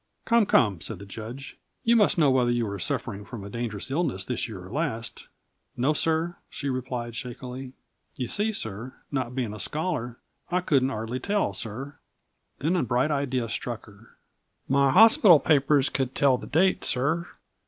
"Come, come," said the judge, "you must know whether you were suffering from a dangerous illness this year or last." "No, sir," she replied shakily; "you see, sir, not bein' a scholar, I couldn't 'ardly tell, sir." Then a bright idea struck her. "My hospital papers could tell the date, sir."